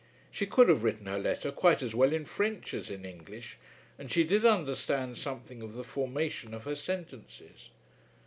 She could have written her letter quite as well in French as in English, and she did understand something of the formation of her sentences.